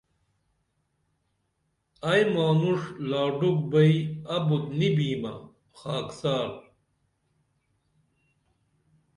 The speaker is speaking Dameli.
ائی مانُݜ لاڈوک بئی ابُت نی بیمہ خاکسار